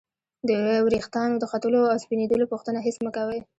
د ورېښتانو د ختلو او سپینیدلو پوښتنه هېڅ مه کوئ!